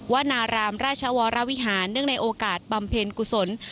วนารามราชวรวิหารเนื่องในโอกาสบำเพ็ญกุศล